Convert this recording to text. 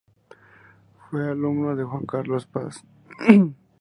Fue alumno de Juan Carlos Paz.